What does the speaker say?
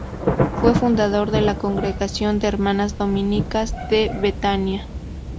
Fue fundador de la Congregación de Hermanas Dominicas de Betania.